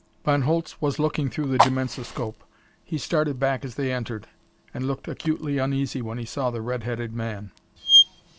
Von Holtz was looking through the dimensoscope. He started back as they entered, and looked acutely uneasy when he saw the red headed man.